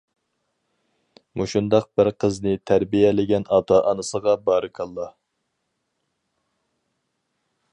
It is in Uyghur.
مۇشۇنداق بىر قىزنى تەربىيەلىگەن ئاتا-ئانىسىغا بارىكاللا!